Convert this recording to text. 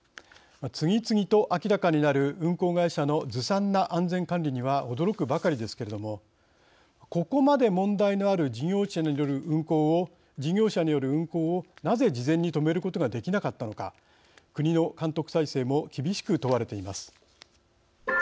次々と明らかになる運航会社のずさんな安全管理には驚くばかりですけれどもここまで問題のある事業者による運航をなぜ事前に止めることができなかったのか国の監督体制も厳しく問われています。